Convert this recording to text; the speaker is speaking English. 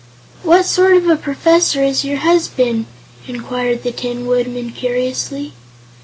"What sort of a Professor is your husband?" inquired the Tin Woodman curiously.